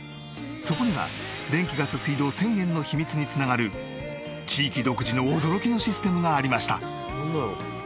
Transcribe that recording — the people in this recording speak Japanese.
そこには電気ガス水道１０００円の秘密に繋がる地域独自の驚きのシステムがありました。